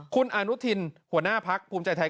คุณอนุทินหัวหน้าพักภูมิใจไทย